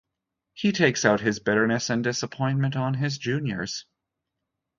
He takes out his bitterness and disappointment on his juniors.